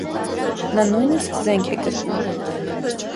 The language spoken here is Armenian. Նա նույնիսկ զենք է գտնում է։